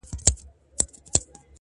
څراغه بلي لمبې وکړه،